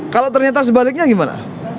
kalau ternyata sebaliknya gimana